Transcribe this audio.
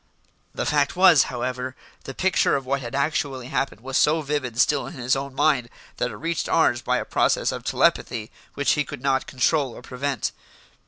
The fact was, however, the picture of what had actually happened was so vivid still in his own mind that it reached ours by a process of telepathy which he could not control or prevent.